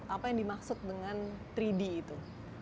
apa yang dimaksud dengan tiga d itu